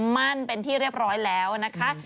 มั่นเป็นที่เรียบร้อยแล้วนะคะ